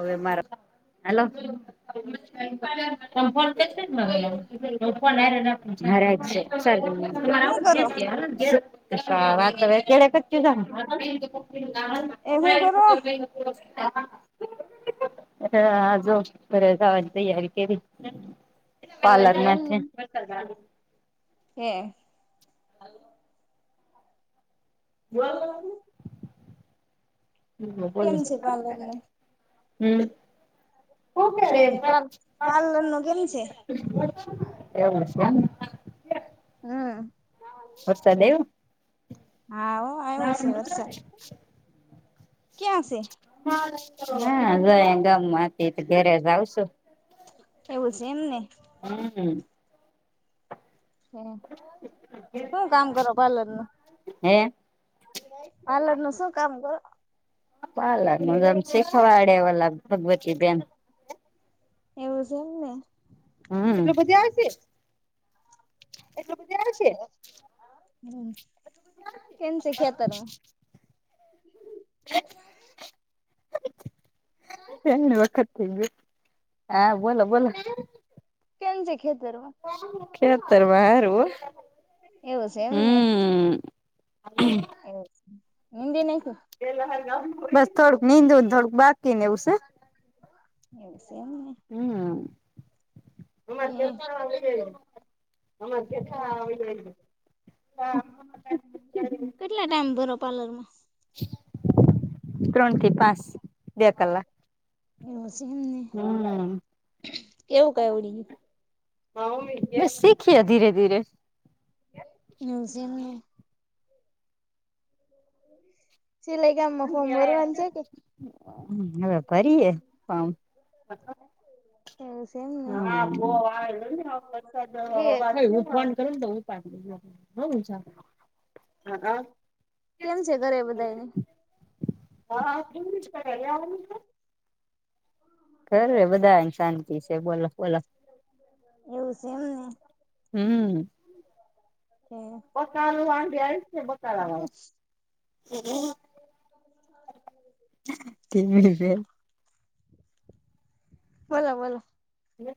હવે મારા હાલો [unintelligible] [unintelligible] હું કરો [unintelligible] એ હું કરો વાતવે [unintelligible] [inaudible] આ જો [unintelligible] તૈયારી કેવી એવું પાલર છે મેથે એમને હે વાર લાગહે હમ બોલો કેમ છે પાર્લર નું હમ હું બર કરે પાર્લર નું કેમ છે એવું કેમ હમ વરસાદ આય્વો હા હો આવ્યો છે વરસાદ હા ક્યાં છે? હા જ ગમમાં હતી ઘરે જ આવશું. એવું છે એમ ને હમ હે હું કામ કરો પાર્લર નું હે પાલરનું શું કામ કરો પાલરનું જેમ શીખવાડ્યા લગભગ [unintelligible] બેેમ એવું છે એમ ને હમ આટલુ બધી આવે છે એટલુ બધી આવે છે હમ કેમ છે ખેતરમાં [inaudible] એ વખત થઈ ગ્યું હા બોલો બોલો કેમ છે ખેતરમા ખેતરમાં હારુ એવું છે એમને હમ એવું છે ઊંદી નાયખું બસ થોડક નિંદુ ન થોડુક બાકી નેવું શે એવું શે એમ ને હમ છે [unintelligible] [inaudible] કેટલા ટાઈમ ભરો પાર્લર માં ત્રણથી પાંચ બે કલા એવું છે એમ ને કેવું ક આવડી ગ્યું શીખીએ ધીરે ધીરે એવુ છે એમ ને [inaudible] સિલઈગામ હવે ફરીએમ [inaudible] એમને હા બ આવે ઠીક ને ઉપન કર ને તો ઉપાડ હો ચ કેમ છે ઘરે બધાને હાું જ કર છે ઘરે બધાને શાંતિ છે બોલો બોલો એવું છે એમ ને બકારું વાડી છે બકારા વાળા [unintelligible] બોલો બોલો હ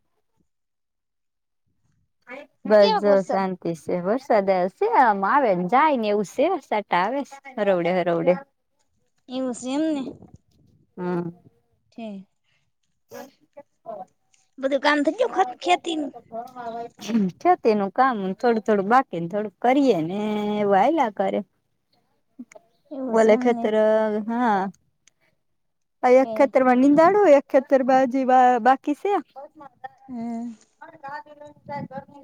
બસ કેવાક વરસાદ જસ વરસાદ સેમ આવેને જાય ને એવું સેવા સટા આવે હરવડે હરવડે એવું છે એમને છેઠ બ બધું ગામ થ ખેતી નું હ હવા છ તેનું કામ થોડું થોડું બાકીને થોડું કરીએે ને એ હલા કરે [inaudible] એવું છે ઓલે એમને ખતર હા એકતર માં નિંદાડો એકતર બાજી બાકી છે હમ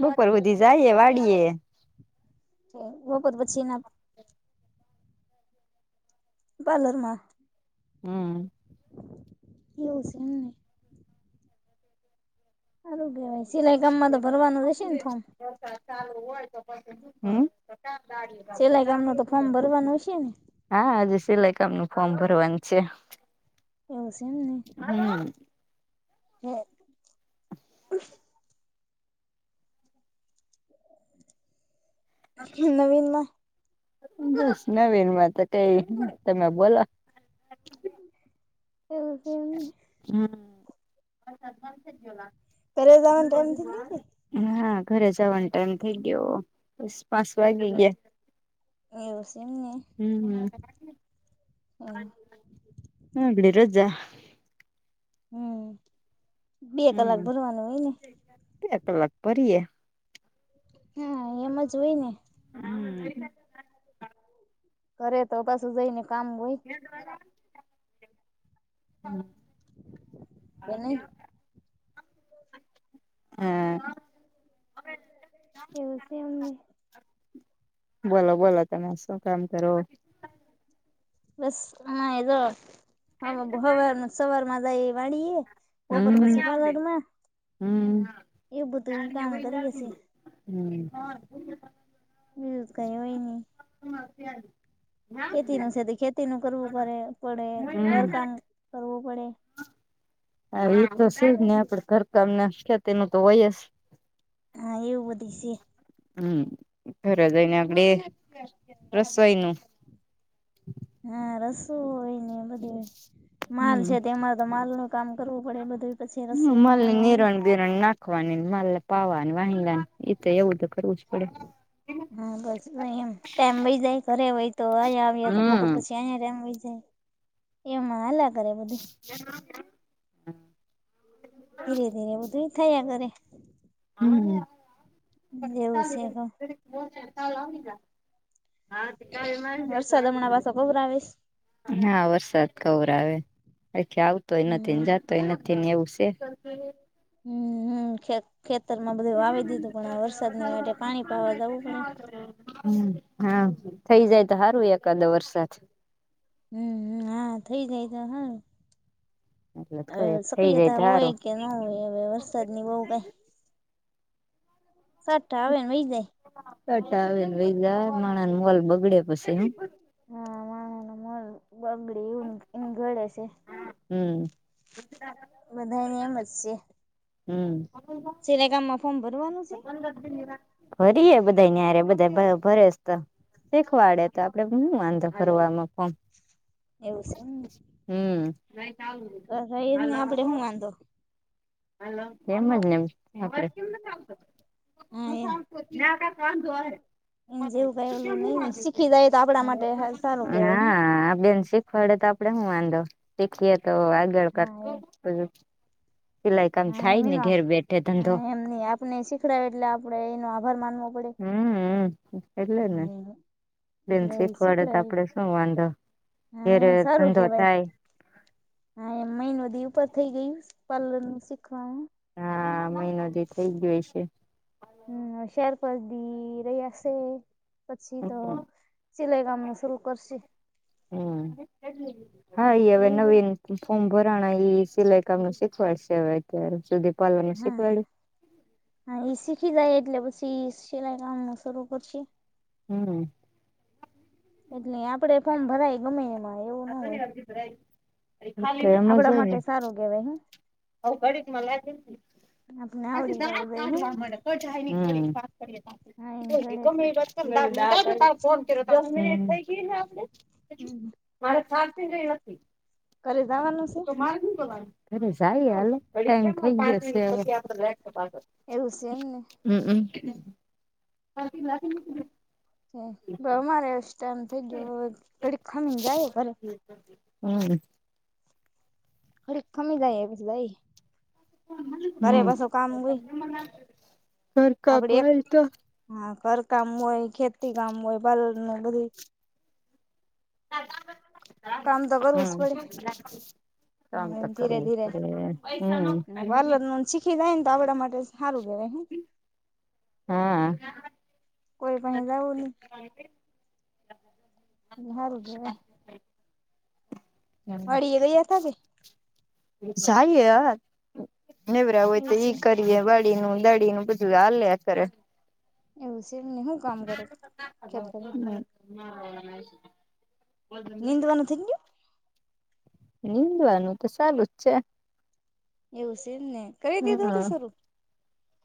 બપર બધી જઈએ વાડીીએે કર પછી ના આપ બલરમાં હમ એું છે એમને સારું કેહેવાય સિલાઈ કામમાં તો ભરવાનું રહેશે ને ફોર્મ ચાલ હોય તો તો દાઢતો સિલાઈ કામ દાઢ ન તો ફોર્મ ભરવાનું હશે ને હા આજે સિલાઈ કામ ન ફોર્મ ભરવાનું છે એવું છે એમ નહી હમ હમ નવીનમાં બસ નવીનમાં તો કઈ તમે બોલો એવ હમ પલા જમાને ટાઈમ હો ને હા ઘરે જવાનો ટાઈમ થઇ ગયો બસ પાંચ વાગી ગયા એવસીમને હમ હમ હમ બળી રોજા હમ બે કલાક હમ ભરવાનું હોય ને બે કલાક પરીએ હા એમાં જો હોય ને હમ કરરે તો પાછું જઈ ને કામ હોય કે નહી [inaudible] હમ એવું છે એમને બોલો બોલો તમે શું કામ કરો છો બસ હ એ જો હ સવાર સવાર એ વાળીએે કોપર હમ પછિ પારલારમાં હમ એ બધુરી ક કરીએશે હમ બિઝ કરી હોયની સ્તી હડી ખેતી નું છે તે ખેતી ન કરવું પડે પડે ઘર હમ કામ કરવું પડે હ એ તો સુું જ ને આપે ઘરકામ ના ખતનું તો હોય જ હા એવું બધી છે હમ ઘરે જઈને આપડે રસોઈ નું હા રસો હોય ને બધી હોય માલ હમ છે તેમાં તો માલ નો કામ કરવું પડે બધું પછી હ રસોઈ નો માલ ને વારો આવે નિરણ બિરણ નાખવાની માલને પાવાની વાલાની તો એવું તો કરવું જ પડે હમ હા બસ એમ ટાઈમ વહી જાય ઘરે હોય તો આયાએ તો બપોર હમ પછી અહીયા ટાઈમ વહી જાય એમાં હલા કરે બધી એ ધીરે ધીરે બધું થયા ઘરે એવું છે ક [unintelligible] હા ત ક મારી જ એટલા હમણા પાછો કબર આવીશ હા વરસાદ કવર આવે આખી આવતોય નથી હમ ને જાતોય નથી તેને ગસે હમ હમ ખેતર માં બધું વાવી દીધું પણ વરસાદની માટે પાણી પાવા જવું પડે હા થઇ જાય તો સારું એકાદો વરસાદ હમ હ હા થઈ જાય તો હા એટલે કઉ હવે એક થઈ જાય શક્રિયતા તો હોય હારું કે ન હોય હવે વરસાદ ની બહુ કઈ સટાવેને વજ કટા આવેને વજાર માણા ન મોલ બગડ્યા પછી હા મા ન મલ બગડીે એવું એ ગળે છે હમ બધાની એમ જ છે હમ સિલેગામમાં ફોમબરવાલું તન બદીનીરા ભરીયે બધા યરે બધા ભરેસ તો શીખવાડે તો આપડે શું વાંધો કરવાવામાં એવું છે પણ હમ બ એ જને આપડે શું વાંધો મજમ હા એમ ના ક વાંધો એમ જેવું કઈ ઓલું નઈ ને શીખી જાય તો આપડા માટે સારું કેવાય હા આપ બેન શી ફળે તો આપડે શું વાંધો શીખીએ તો આગળ હ કર હા એમ પેલાય કામ થાય ને ઘેર બેઠે ધંધો નહી આપણેને શીખડાય એટલે આપણેે એનો આભાર માનવો પડે હમ એટલે ને હું બેન એટલે એ શીખવાડે તો શીખડ આપડે શું વાંધો હા ઘેરે એમ સારું ધંધો કે ભાઈ થાય હા એમ મહિને બધી ઉપર થઈ ગયું પલર નું શીખવાવામાં હા મહિનો જે થઈ ગયો છે હમ શર પછદી રહીશે પછી તો સિલાઈ કામ નું શરૂ કરશે હમ હા ઈ હવે એવું નવીન બધું ફોર્મ ભરણા એ સિલાઈ કામ ન શીખવાડશે હવે અત્યારે સુધી પાર્લર નું શીખવાડ્યું હા ઈ શીખી જાય એટલે પછી સિલાય કામ શરૂ કરશે હમ એટલે આપડે ફોર્મ ભરાય ગમે એમાં. એવું ન હોય તો આપડા માટે સારું કેવાય હું. અવ ઘડીક લાયસન્સ આપને આખી આવડી જવું શાળા જોઈએ હું કાઢવા મલે તોય જાય નહી [unintelligible] હમ વાત કરીએ તો આપડે હા એમ તોય તે ઘડે છે ગમે [unintelligible] ફોન કર્યોં તો દહ મિનિટ થઈ ગયી ને આપડે હજુ. હમ મારે થાકી ગઈ હતી. ઘરે જાવાનું સે. ઘરે જાઈએ હાલો ટાઈમ થઈ ગ્યો સે હવે. એવું સે એમ ને. હમક. હમ બહુ મારે ઇસટામ થઈ ગ્યો ઘડીખ ખમ જાઈએ ઘરે. હમ. ઘડીક ખમી જાય એ પછી જાય ઘરે પાસું કામ હોઈ. હમ ઘર કાબ હવેલ તો હા ઘરકામ હોય ખેતી કામ હોય બાલું બધું કામ તો કરવું જ હમ. પડે કામ તો એમ ધીરે કરવું ધીરે પડે હમ. ખીજાય ન તો આપડા માટે સારું રે એહિમ. હમ. કોઈ પાહે જાવુ નહી. સારું કેવાાઈ. વાળીએ ગયા હતા કે. જાઈએ હવ નેવરા હોય તો એવું છે ઈ કર ડીએ વાડીનું દાડીનું બધું હાલ્યા કરે. એવું સે એમ ને હું કામ કરો ખેતરનું? [unintelligible] નિંદવાનું થઈ ગ્યું. નીંદવાનું તો સાલુ જ છે. એવું સી એમ ને કરી દીધું તે હમ સરું.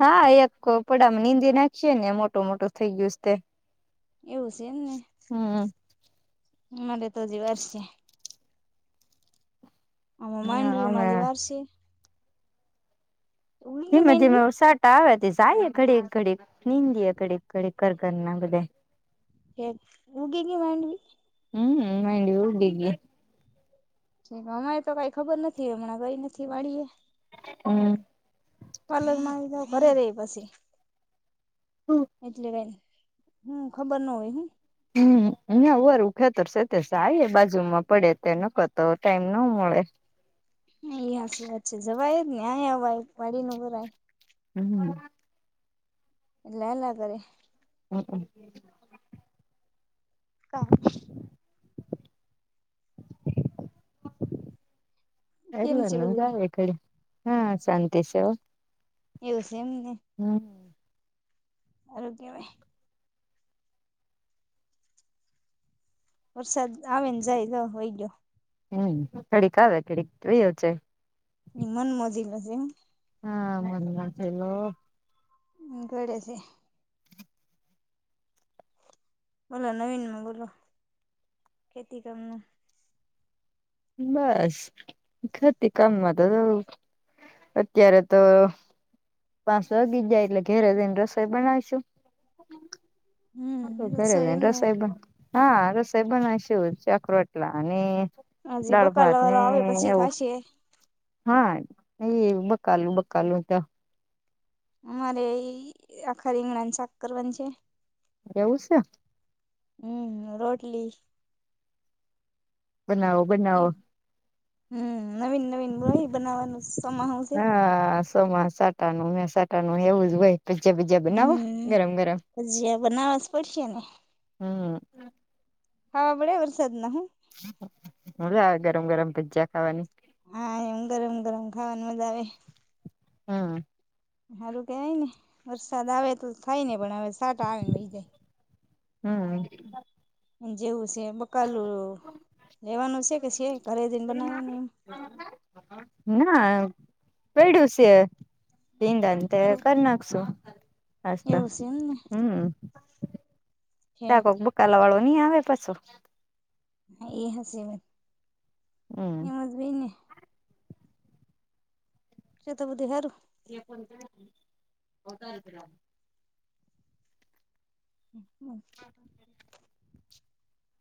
હા એક પડામાં નીંદી નાખીએે ને મોટું મોટું થઇ ગ્યું સ તે. એવું સે એમને હમ મારે તો હજી વાર સે. આ અમે માંડવીમાં હજી વારસે. ઉગી ગઈ ધીમે ધીમે માંડવી ઉસાટા આવે તે જાયએ ઘડીક ઘડીક નીંદીએ ઘડીક ઘડીક ઘરઘરના બધાય. એ ઉગીગી માંડવી. હમ ન્વી ઉગીગી. અમારે તો કઈ ખબર નથી હમણાં ગઈ નથી વાળીએ. હમ. પાર્લર માં આવી જાવ ઘરે રહી પછી એટલે કઈ. હમ ખબર નો હોય હું. હમ ઉયા વારુ ખેતર છે તે જાઈએ બાજુમાં પડે તે નકર તો ટાઈમ નો મળે. એયા હાશી વાત છે જવાય જ ને આહી અવાય વાડીનું કરાય. હમ. લે હાલાલ ઘરે. હંક. કા કેમ છે બધું [unintelligible] હા શાંતિ સે હો એવું સે એમ ને. હુમ. હારું કેવાય. વરસાદ આવે ન જાય લો વઇ ગ્યો. હમ ઘડીક આવેે ઘડીક વયો જાય. ઇ મન મજોલો જેમ ને. હા મનમાં થેલો. ઘડે સે. મલા નવીન મગોલો ખેતી કરનું. બસ ઘતી કામમાં ત દો. અત્યારે તો પાંચ વાગી જાય એટલે ઘેરે જઇને રસોઈ બનાવીશું. હમ ઘરે જઇને એમને રસોઈ બના હા રસોઈ બનાવી શું ચક્રોટના અને હજી દાળ ભાત બકાલા ને વાળો આવે પછી એવું. થાશે હા એય બકાલું બકાલું તા. મારે ઇ આખા રીંગણાની શાક કરવાની છે. એવું સે. હું રોટલી. બનાવો. બનાવો ઇફ હું નવીન નવીન રહિ બનાવાનું શુ? હા. સોમા સાટાનું હે સાટાનું એવું જ વઇ. પીજા બીજા બનાવો હમ ગરમ ગરમ ભજીયા બનાવવા જ પડશે ને. હું. હવા બળે વરસાદ ના હ. મજા આવે ગરમ ગરમ ભજ્યાં ખાવાની. હા એમ ગરમ ગરમ ખાવાની મજા આવે. હું. હારું કેવાય ને વરસાદ આવે તો થાય ને પણ હવે સાટા આવે ને વહી જાય. હું. ઉ જેવું સે એ બકાલું લેવાનું સે કે સે ઘરે જઈને બનાવવાની એ. ના પૈડું સે દિંદન. તે એમ એવું કરી નાખસું હાસ્ત એવું છે એમને હું. છે ત્યા કોક બુકાલા વાળો ની આવે પાસો. હા એ હસે હમ વ એમત ભઈ ને. [unintelligible] [unintelligible] [inaudible]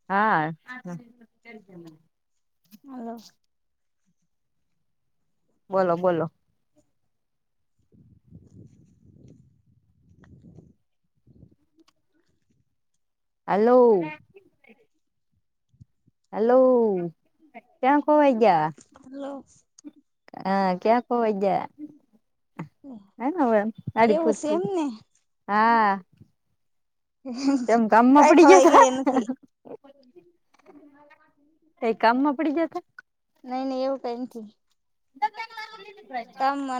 હા. હાલો. બોલો બોલો. આલો. હેલો. ક્યાં ખીવાઇ ગયા? હાલો. આ ક્યાં ખોવાઈ ગ્યા? હમ આડીપ એવું છે એમને હા [unintelligible] કેમ કામમાં કઈ પડી હોવાય તા ગયા નથી. [unintelligible] કઈ કામમાં પડી ગયા તા નઈ નઈ એવું કઈ નથી કામ મ